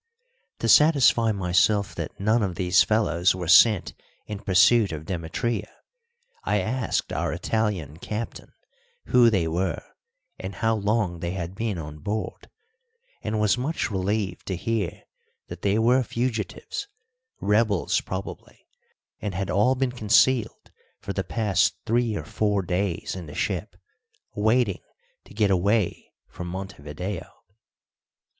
To satisfy myself that none of these fellows were sent in pursuit of Demetria, I asked our Italian captain who they were and how long they had been on board, and was much relieved to hear that they were fugitives rebels probably and had all been concealed for the past three or four days in the ship, waiting to get away from Montevideo.